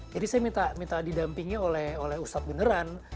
jadi saya minta didampingi oleh ustadz beneran